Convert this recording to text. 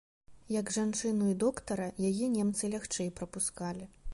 Як жанчыну і доктара, яе немцы лягчэй прапускалі.